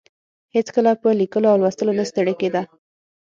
هېڅکله په لیکلو او لوستلو نه ستړې کیده.